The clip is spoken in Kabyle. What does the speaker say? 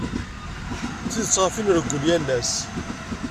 Tidet ɣef i nreggel yal ass.